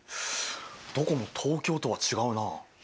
どこも東京とは違うな。